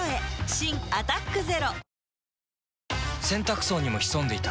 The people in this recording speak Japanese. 新「アタックＺＥＲＯ」洗濯槽にも潜んでいた。